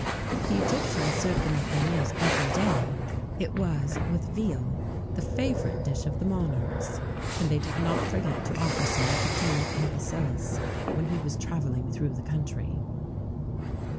The Egyptians served them at their meals every day; it was, with veal, the favourite dish of their monarchs,[XVII 54] and they did not forget to offer some to King Agesilaus, when he was travelling through the country.